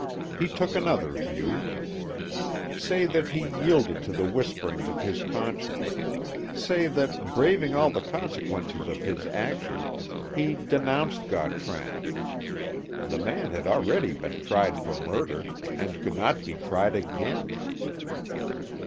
He took another view. Say that he yielded to the whisperings of his conscience say that, braving all the consequences of his action, he denounced Gautran. The man had already been tried for murder, and could not be tried again.